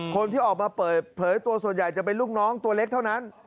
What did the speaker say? คนที่ออกมาเปิดเผยตัวส่วนใหญ่จะเป็นลูกน้องตัวเล็กเท่านั้น